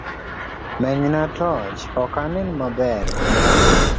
Menyna torch ok anen maber kuma adhie